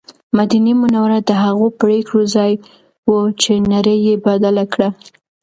مدینه منوره د هغو پرېکړو ځای و چې نړۍ یې بدله کړه.